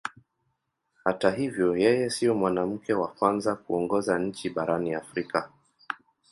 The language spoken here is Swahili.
Hata hivyo yeye sio mwanamke wa kwanza kuongoza nchi barani Afrika.